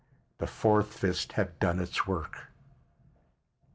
The fourth fist had done its work.